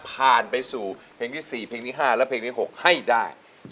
ผ่านไปสู่เพลงที่๔เพลงที่๕และเพลงที่๖ให้ได้